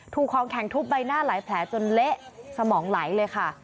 ถูกของแข็งทุบใบหน้าหลายแผลจนเละสมองไหลเลยค่ะ